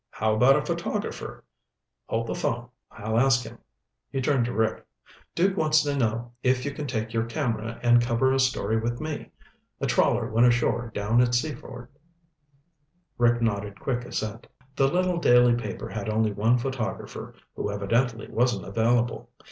How about a photographer? Hold the phone. I'll ask him." He turned to Rick. "Duke wants to know if you can take your camera and cover a story with me. A trawler went ashore down at Seaford." Rick nodded quick assent. The little daily paper had only one photographer, who evidently wasn't available.